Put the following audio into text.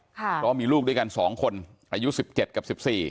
เพราะว่ามีลูกด้วยกัน๒คนอายุ๑๗กับ๑๔